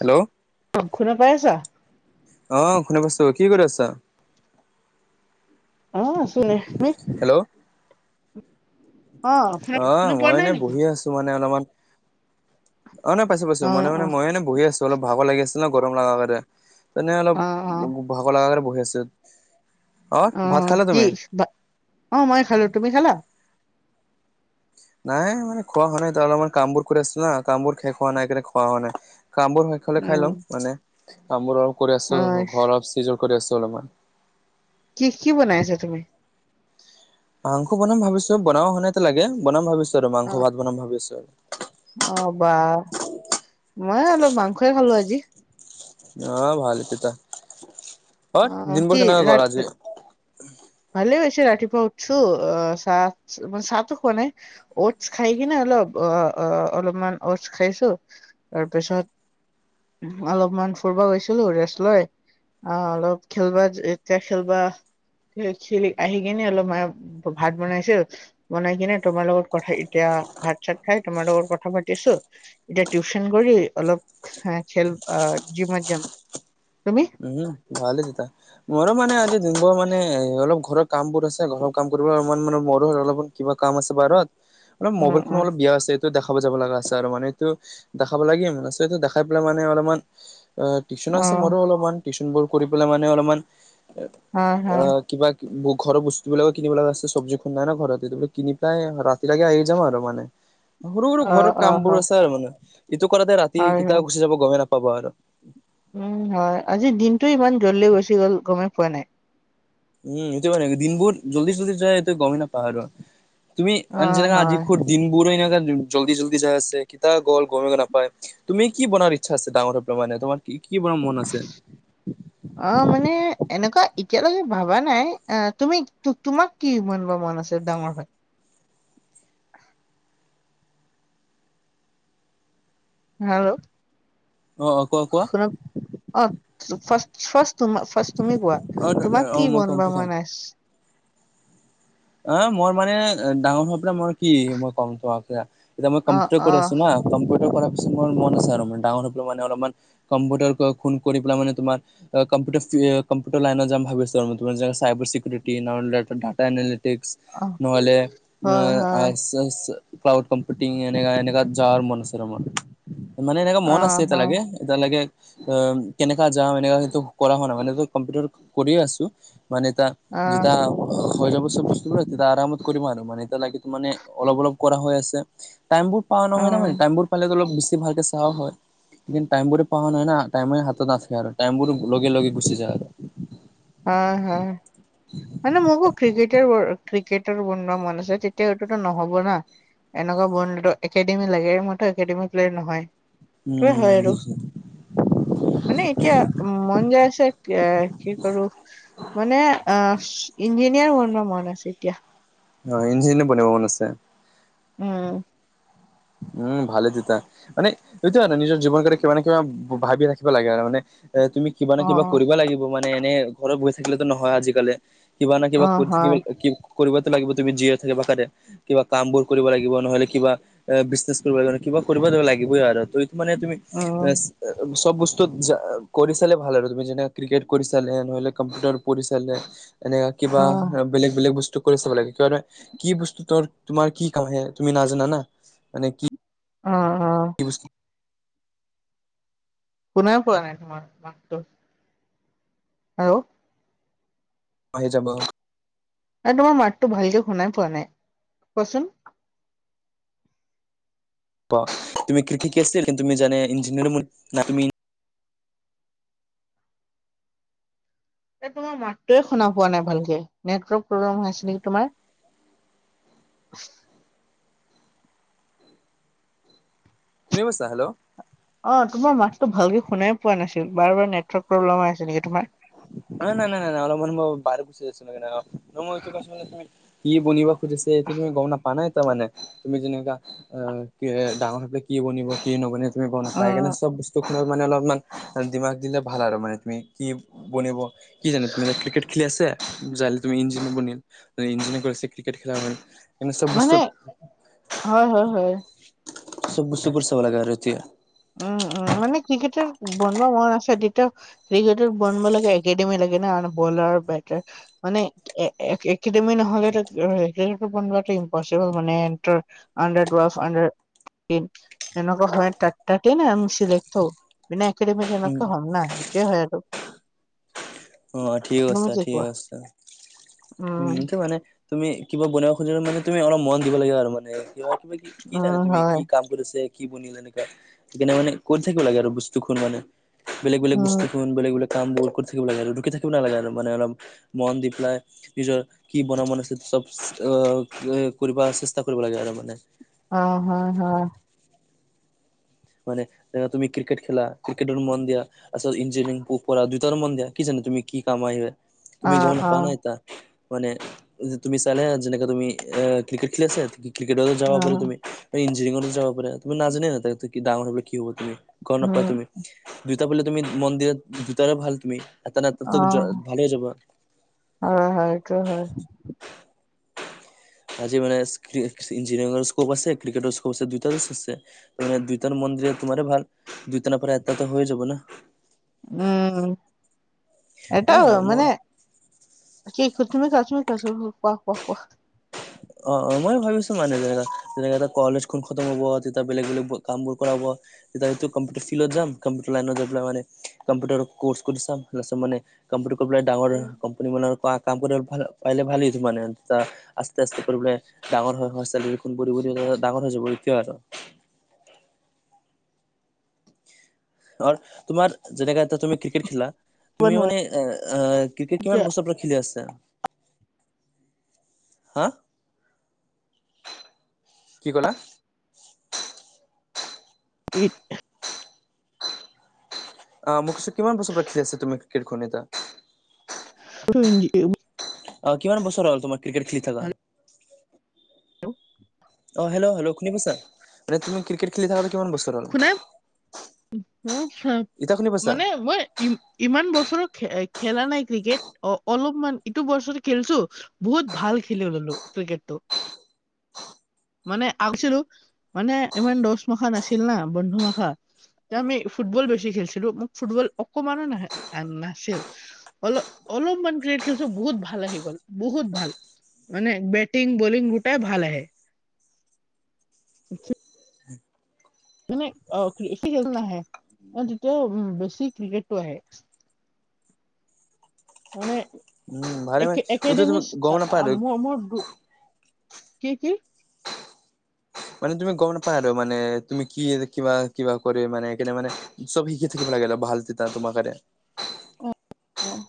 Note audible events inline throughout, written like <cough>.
Hello শুনা পাই আছা? অ শুনা পাইছোঁ কি কৰি আছা? অ আছোঁ এনেই তুমি? হেল্ল' অ শুনা অ শুনা পোৱা মই নাই এনে নেকি বহি আছোঁ মানে অলমান অ নাই পাইছোঁ পাইছোঁ অ মানে অ মানে মই <unintelligible> বহি আছোঁ অলপ ভাগৰ লাগি <unintelligible> গৰম লাগা <unintelligible> <unintelligible> এনেই অলপ অ অ <unintelligible> ভাগৰ লাগা কাৰণে বহি আছোঁ অ ভাত খালা তুমি? অ মই খালোঁ তুমি খালা? নাই মানে খোৱা হোৱা নাই <unintelligible> কাম বোৰ কৰি আছোঁ না কামবোৰ শেষ কাৰণে খোৱা হোৱা নাই। কামবোৰ শেষ হলে খাই উম লম মানে কামবোৰ অলপ কৰি অ আছোঁ ঘৰ অলপ চিজিল কৰি আছোঁ অলপমান। কি কি বনাই আছা তুমি? মাংস বনাম ভাবিছোঁ বনাব হোৱা <unintelligible> লেকে বনাম ভাবিছোঁ আৰু মাংস অ ভাত বনাম ভাবিছোঁ। অ বা মই অলপ মাংসই খালোঁ আজি। অ ভালে তেতা অ <unintelligible> দিন কি বোৰ কেনেকুৱা গ'ল ৰাত আজি? ভালে হৈছে ৰাতিপুৱা উঠছো অ- চা- <unintelligible> চাহটো খোৱা নাই অটছ খাই কিনে অলপ অ- অ অলপমান অটছ খাইছোঁ তাৰপিছত অলপমান ফুৰব গেছিলোঁ ৰেষ্ট লৈ। অ অলপ খেলবা এতিয়া খেলবা <unintelligible> আহি কিনে অলপ <unintelligible> ভাত বনাইছোঁ। বনাই কিনে তোমাৰ লগত কথা এতিয়া ভাত- চাত খাই তোমাৰ লগত কথা পাতিছোঁ। এতিয়া টিউচন কৰি অলপ খেল - আ জিমত যাম। তুমি? উম, ভালে তেতা মোৰো মানে আজি যোনবোৰ মানে অলপ ঘৰত কাম বোৰ আছে ঘৰৰ কাম কৰিব মন‌ মানে মোৰো অলপমান কিবা কাম আছে <unintelligible> ৰত। অলপ অ মোবাইল খন অলপ বিয়া হৈছিল দেখাব যাব লাগা আছে আৰু মানে এইটো দেখাব লাগে <unintelligible> দেখাই পেলাই মানে অলপমান আ টিউচন অ অ আছে মোৰো অলপমান টিউচন বোৰ কৰি পেলাই মানে অলপমান হয় আ হয় কিবা ঘৰৰ বস্তুবিলাক কিনিব লগা আছে চব্জি নাই ন ঘৰত সেইবিলাক কিনি পেলাই ৰাতিলৈকে আহি যাম আৰু মানে <unintelligible> সৰু সৰু অ ঘৰৰ অ কাম বোৰ হয় আছে আৰু মানে ইটো কৰাতে ৰাতি হয় কেতিয়া হয় গুচি যাব গমেই নাপাবা আৰু উম হয় আজি দিনটোৱেই ইমান জলদি গুছি গ'ল গমে পোৱা নাই উম এইটো হয় দিনবোৰ জল্দি জল্দি যায়টো গমে নাপাওঁ আৰু তুমি অ যেনেকে আজি হয় খুদ দিনবোৰো এনেকুৱা জল্দি জল্দি যাই আছে কেতিয়া গ'ল গমেই নাপায় তুমি কি বনাৰ ইচ্ছা আছে ডাঙৰ হৈ পেলাই মানে তোমাৰ কি কি বনাৰ মন আছে অ মানে এনেকুৱা এতিয়ালৈকে ভবা নাই আহ তুমি তোমাক কি ইমান বনিব মন আছে ডাঙৰ হয় ভালো অ অ কোৱা কোৱা <unintelligible> অ ফ ফাৰ ফাৰ্ষ্ট তুমি কোৱা অ তোমাক অ কি মই কম বনিব প্ৰথম মন আছে অ মই মানে ডাঙৰ হোৱাৰ পৰাই মই কি মই কম তোমাক এতিয়া মই অ কম্পিউটাৰ অ কৰি আছোঁ ন কম্পিউটাৰ কৰাৰ পিছত মোৰ মন আছে আৰু মোৰ ডাঙৰ হৈ মানে অলপমান কম্পিউটাৰ কোন কৰি পেলাই মানে তোমাৰ কম্পি কম্পিউটাৰ লাইনত যাম ভাবিছোঁ আৰু চাইবাৰ চিকিউৰিটি ন ডাটা এন্দ অ <inaudible> নহলে হয় হয় ক্লাউ কম্পউটিং এনেকা এনেকা যোৱাৰ মন আছে ৰ মানে এনেকা অ মন আছে এতিয়া হয় লৈকে এতিয়া লৈকে অ কেনেকা যাওঁ এনেকা সেটো কৰা হোৱা নাই মানে কম্পিউটাৰ কৰিয়ে আছোঁ মানে এ টা অ যেতিয়া হৈ যাব চব বস্তু তেতিয়া আৰামত কৰিম আৰু মানে লাগে তো মানে অলপ অলপ কৰা হৈ আছে টাইম বোৰ পোৱা নহয় ন মানে উম টাইম সেইফালে অলপ বেছি ভালকে চাও হয়', কিন্তু টাইমবোৰে পোৱা নাই না টাইমে হাতত নাছিলে আৰু টাইমবোৰ লগে লগে গুচি যায় আৰু', হ', হা', মানে মোকো ক্ৰিকেটাৰ ব, ক্ৰিকেটাৰ বনোৱাৰ মন আছে তেতিয়া এইটোতো নহ'ব না', এনেকুৱা বন্ধ একেডেমি লাগে মইতো একেডেমি প্লেলিয়াৰ নহয়', হেতু উম হয় আৰু বুজিছো মানে এতিয়া', মন যাই আছে কিবা কি', আৰু মানে অ', ইঞ্জিনিয়াৰ বনিব মন আছে এতিয়া', অ', ইঞ্জিনিয়াৰ বনিব মন আছে', উম', উম', ভালে তেতিয়া', মানে সেইটোৰ কাৰণে নিজৰ জীৱন কৰি কিবা নে কিবা ভা ভাবি ৰাখিব লাগে আৰু মানে এ তুমি', কিবা ন অ কিবা কৰিব লাগিব মানে এনে ঘৰত বহি থাকিলেতো নহয় আজিকালি', কিবা না কিবা অ কৰি হয় থাকিবলে কি', কৰিব লাগিব তুমি জীয়াই থাকিবোৰ কিবা কামবোৰ কৰিব লাগিব নহ'লে কিবা', বিজনেছ কৰিব কাৰণে, কিবা কৰিব লাগিবই আৰু ত এইটো মানে তুমি উম প্লাছ', চব বস্তু কৰি জা, কৰি চালে ভাল আৰু তুমি যেনে ক্ৰিকেট কৰি চালে নহ'লে কম্পিউটাৰ কৰি চালে', এনে কিবা অ কাম', বেলেগ বেলেগ বস্তু কৰি চাব লাগে কিয় নয় কি বস্তু ত তোমাৰ কি কাম আহে তুমি নাজানা না', মানে কি? অ', অ', হৈ শুনা পোৱা নাই তোমাৰ মাতটো', হেল্ল', আহি যাবা', এ তোমাৰ মাতটো ভালকে শুনাই পোৱা নাই, কচোন। <unintelligible> এ তোমাৰ মাতটোৱে শুনা পোৱা নাই ভালকে। নেটৱৰ্ক প্ৰব্লেম হৈ আছে নেকি তোমাৰ। শুনি পাইছা? হেল্ল! অ তোমাৰ মাতটো ভালকে শুনাই পোৱা নাছিল, বাৰ বাৰ নেটৱৰ্ক প্ৰব্লেম হৈ আছে নেকি তোমাৰ। নাই, নাই, নাই, নাই, অলপ মান মই বহিৰত গুচি আহিছিলোঁ এনেকা <unintelligible> কি বনিবা সুধিছে <unintelligible> তুমি গম নাপ নাই তাৰমানে। তুমি যেনেকা অ কি ডাঙৰ বনিব কি নবনিব তুমি গম নাপায়, উম সেইকাৰণে চব বস্তুখন মানে অলপমান দিমাগ দিলে ভাল আৰু মানে তুমি কি বনিব কি জানে তুমি এতিয়া ক্ৰিকেট খেলি আছে যাইলে তুমি ইঞ্জিনিয়াৰ বনিল ইঞ্জিনিয়াৰ কৰিছে ক্ৰিকেট খেলা হয়, মানে চব বস্তুত হয়, হয়, হয়। চব বস্তুবোৰ চব লগাই আৰু‌ এতিয়া। উম উম মানে ক্ৰিকেটাৰ বনোৱাৰ মন আছে তেতিয়াও ক্ৰিকেটাৰ বনোৱাৰ লাগে একেডেমি লাগে ন বলাৰ বেটাৰ মানে এক একে একেডেমি নহ'লেতো‌ ক্ৰিকেট বনোৱাটো ইমপচিবল মানে <unintelligible> আণ্ডাৰ টুৱেলভ, আডাৰ এইট এনেকুৱা হয় তাত ততে না আমি চিলেক্ট হও, বিনা একেডেমি উম কেনেকে হোম না সেইটোৱে হয় আৰু। অ ঠিক তুমি কৈছা, কি ঠিক কোৱা কৈছা। উম সেইটোৱে মানে তুমি কিবা বনাব খোজা মানে তুমি অলপ মন দিব লাগে আৰু মানে কিবা কিবি কি, কি জানে উম তুমি কি হয় কাম কৰিছে, কি বনিল এনেকা। সেইকাৰনে মান কৰি থাকিব লাগে আৰু বস্তুখন মানে বেলেগ বেলেগ উম বস্তুখন, বেলেগ বেলে কামবোৰ কৰি থাকিব লাগে আৰু ৰখি থাকিব নালগে আৰু মানে অলপ মন দি পেলাই নিজৰ কি বনাব মন আছে চব অ অ কৰিব চেষ্টা কৰিব লাগে আৰু মানে। অ হয় হয়। মানে ধৰা তুমি ক্ৰিকেট খেলা ক্ৰিকেটত মন দিয়া পাছত ইঞ্জিনিয়াৰিং প-পঢ়া দুইটাৰ মন দিয়া। কি জানে তুমি কি কাম আহিবা। অ তুমি গম অ নাপোৱা নে এতিয়া। মানে তুমি চালে যেনেকে তুমি ক্ৰিকেট খেলি আছে ক্ৰিকেটতো যাব অ পাৰা তুমি, ইঞ্জিনীয়াৰিংত যাব পাৰা, তুমি নাজানা তুমি ডাঙৰ হ'লে কি হ'বা তুমি। গম উম নাপাবা তুমি, দুইটা পালে তুমি মন দিলে দুটাৰে ভাল তুমি। এটা ন এটাত ভালেই যাব। অ হয়, সেইটো হয়। আজি মানে ইঞ্জিনিয়াৰিংৰ <unintelligible> আছে, ক্ৰিকেটৰো <unintelligible> আছে দুইটা আছে। মানে দুইটাত মন দিলে তোমাৰে ভাল। দুইটাত নেপাৰা এটাত তো হৈ যাব না। উম। এটা মই মানে <unintelligible> অহ অহ মই ভাবিছো মানে যেনেকা যেনেকা কলেজ <unintelligible> খতম হ'ব, তেতিয়া বেলেগ-বেলেগ কামবোৰ কৰাব তেতিয়া কম্পিউটাৰ ফিল্ডত যাম, কম্পিউটাৰ লাইনত গৈ পেলাই মানে কম্পিউটাৰ কোৰ্চ কৰি চাম <unintelligible> কম্পিউটাৰ কৰি পেলাই ডাঙৰ কম্পানী মানৰ কাম কৰিবলে পালে ভাল <unintelligible> <unintelligible> ধৰ তোমাৰ যেনেকৈ এতিয়া তুমি ক্ৰিকেট খেলা, কোৱা তুমি নোৱাৰা মানে এ এ ক্ৰিকেট এতিয়া কিমান বছৰ পৰা খেলি আছা? হা কি কলা? <inaudible> অঁহ মই কৈছো কিমান বছৰ পৰা খেলি আছা তুমি ক্ৰিকেট খন এতিয়া? <unintelligible> অহ', কিমান বছৰ হ'ল তোমাৰ ক্ৰিকেট খেলি থাকা? হেল্ল'। অ', হেল্ল'-হেল্ল' শুনি পাইছা? মানে তুমি ক্ৰিকেট খেলি থকি কিমান বছৰ হ'ল? শুনা আহ হা। এতিয়া শুনি পাইছা? মানে মই- ই' ইমান বছৰত খেলা নাই ক্ৰিকেট অলপমান ইটো বছৰত খেলিছো। বহুত ভাল খেলি ল'লো ক্ৰিকেটতো। মানে আহছিলো? মানে ইমান দ'হ মাখা নাছিল না বন্ধু মাখা। তে আমি ফুটবল বেছি খেলিছিলো মোক ফুটবল অকণমানো না নাছিল অলপ-অলপমান ক্ৰিকেট খেলিছিলো বহুত ভাল আহি গ'ল, বহুত ভাল। মানে বেটিং, বলিং দুটাই ভাল আহে। আচ্ছা। মানে খেল নাহে তেতিয়া বেছি ক্ৰিকেটো আহে। মানে উম ভালে মানে এইটো তুমি একাডেমি গম নাপায় আৰু মোৰ- কি' কি? মানে তুমি গম নাপায় আৰু মানে তুমি কি কিবা-কিবা কৰি মানে কেনে মানে- চব শিকি থাকিব লাগে ভাল তেতিয়া তোমাৰ কাৰণে। অহ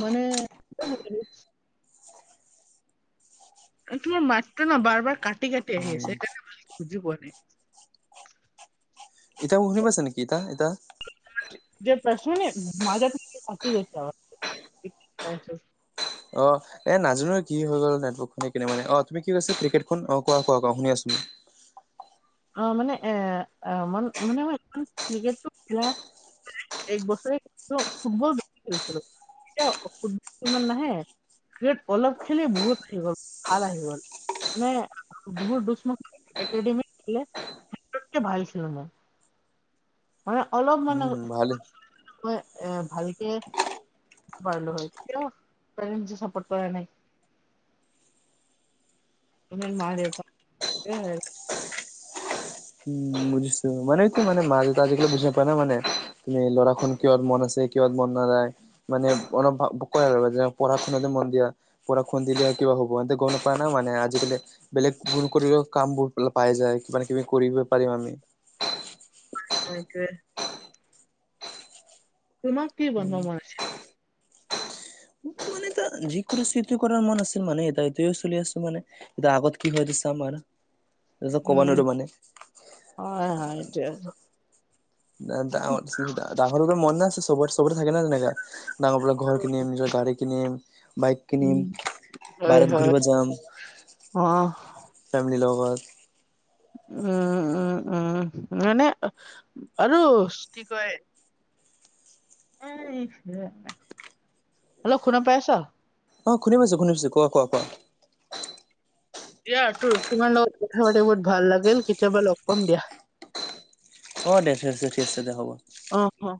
মানে- তোমাৰ মাতটো ন' বাৰে-বাৰে, কাটি-কাটি আহি আছে উম সেইকাৰণে বুজি পোৱা নাই। এতিয়া শুনি পাইছা নেকি এতিয়া-এতিয়া? যে প্ৰশ্ন নে মাজ প কাটি গৈছে আৰু অহ এ' নাজানো কি হৈ গ'ল নেটৱৰ্কটো কেনেবাকে। অ তুমি কি কৈছিলা ক্ৰিকেটখন অহ', কোৱা, কোৱা, কোৱা শুনি আছো। অহ', মানে এ' মানে মই ক্ৰিকেট খেলা- এক বছৰে ফুটবল খেলছিলো এতিয়া ফুটবল ইমান নাহে। সেই পলখ খিনি বহুত আহি গ'ল, ভাল আহি গ'ল। মানে বছৰ মানে একাডেমি খেলে চবতকে ভাল আছিলো মানে মানে অলপ মানে- উম' ভালেই। হয় ভালকে পাৰিলো হয়, এতিয়াও পেৰেণ্টচে চাপৰ্ট কৰা নাই। মানে মা-দেউতা। উম বুজিছো মানে কি মানে মা দেওতাই আজিলৈকে বুজি পোৱা নাই মানে। তুমি ল'ৰাখন কিহত মন আছে কিহত মন নাযায়। মানে অলপ কয় আৰু যে পঢ়া শুনাতে মন দিয়া। পঢ়া শুনা দিলে কিবা হ'ব এন্তে গম নাপাই না মানে আজিকালি বেলেগ কৰিলেও কামবোৰ পাই যায় কিবা-কিবি কৰিব পাৰিম আমি। সেইটোৱে। তোমাক কি বন্ধ মৰা আছিলে? যিকোনো শ্বিফ্ট কৰাৰ মন আছিল মানে এটাই এইটোয়ে চলি আছে মানে। কিন্তু আগত কি হৈ এইটো চাম বাৰো তাৰপাছত কব উম, নোৱাৰো মানে। হয় <unintelligible> ডাঙৰ ডাঙৰ মন নাই আছে চবৰে চবৰে থাকে না তেনেকা। ডাঙৰ বোৰক ঘৰ কিনিম নিজৰ গাড়ী কিনিম বাইক কিনিম। উম, হয় বাহিৰত হয়। ঘূৰিব যাম। অ। ফেমিলি লগত। উম উম উম মানে আৰু কি কয় হেল্ল শুনা পাইছ? অ শুনি পাইছোঁ শুনি পাইছোঁ কোৱা কোৱা কোৱা। দিয়া তোৰ তোমাৰ লগত কথা পাতি বহুত ভাল লাগিল কেতিয়াবা লগ পাম দিয়া। অ দে ঠিক আছে ঠিক আছে দে হ'ব। অহ অহ